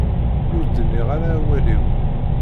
Ur d-nniɣ ara awal-iw.